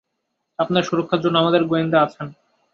আপনার সুরক্ষার জন্য আমাদের গোয়েন্দা আছেন।